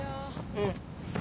うん。